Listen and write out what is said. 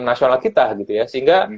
nasional kita gitu ya sehingga